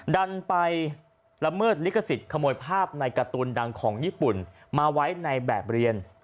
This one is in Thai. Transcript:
ดันไปละเมิดลิขสิทธิ์ขโมยภาพในการ์ตูนดังของญี่ปุ่นมาไว้ในแบบเรียน